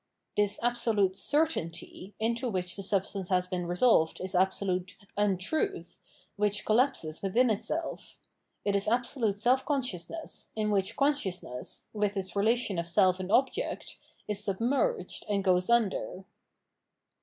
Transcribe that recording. This absolute cer tainty into which the substance has been resolved is absolute urdruih, which collapses within itself ; it is absolute self consciousness, in which consciousness [with its relation of self and object] is submerged and goes under.